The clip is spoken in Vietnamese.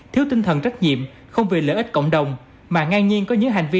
thiếu tinh thần trách nhiệm không vì lợi ích cộng đồng mà ngang nhiên có những hành vi